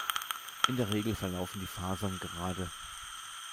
In der Regel verlaufen die Fasern gerade.